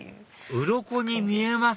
うろこに見えます！